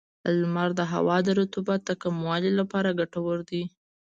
• لمر د هوا د رطوبت د کمولو لپاره ګټور دی.